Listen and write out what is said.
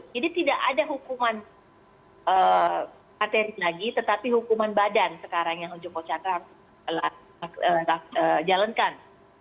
jadi tidak ada hukuman kateris lagi tetapi hukuman badan sekarang yang joko chandra jalankan